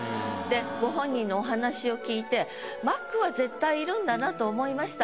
ご本人のお話を聞いて「マック」は絶対いるんだなと思いました。